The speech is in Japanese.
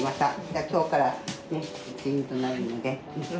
じゃあ今日から一員となるので。